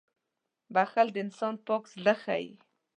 • بښل د انسان پاک زړه ښيي.